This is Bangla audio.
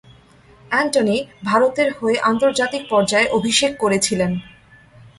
অ্যান্টনি ভারতের হয়ে আন্তর্জাতিক পর্যায়ে অভিষেক করেছিলেন।